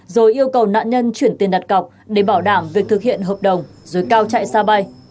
rồi yêu cầu nạn nhân chuyển tiền đặt cọc để bảo đảm việc thực hiện hợp đồng rồi cao chạy xa bay